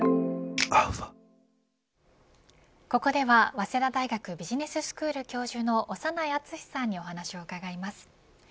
ここでは早稲田大学ビジネススクール教授の長内厚さんにお話を伺います。